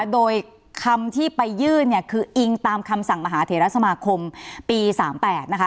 โดยคำที่ไปยื่นเนี่ยคืออิงตามคำสั่งมหาเถระสมาคมปี๓๘นะคะ